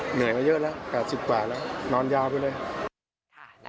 เหนื่อยมาเยอะแล้ว๘๐กว่าแล้วนอนยาวไปเลย